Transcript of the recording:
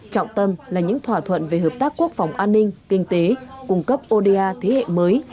trọng tâm là những thỏa thuận về hợp tác quốc phòng an ninh kinh tế cung cấp oda thế hệ mới